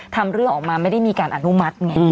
ทำเรื่องออกมาไม่ได้มีการอนุมัติไง